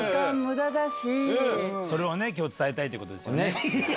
今日伝えたいってことですよね。